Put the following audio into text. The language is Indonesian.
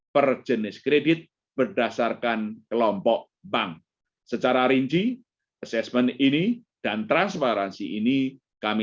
per jenis kredit berdasarkan kelompok bank secara rinci assessment ini dan transparansi ini kami